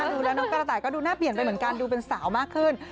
ดูแล้วน้องกระต่ายก็ดูหน้าเปลี่ยนไปเหมือนกันดูเป็นสาวมากขึ้น